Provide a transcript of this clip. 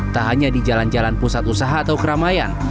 tak hanya di jalan jalan pusat usaha atau keramaian